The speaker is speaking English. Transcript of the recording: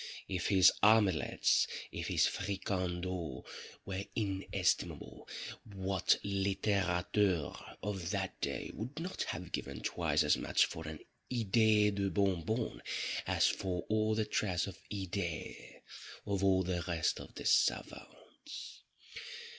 _ If his omelettes—if his fricandeaux were inestimable, what littérateur of that day would not have given twice as much for an "Idée de Bon Bon" as for all the trash of "Idées" of all the rest of the _savants?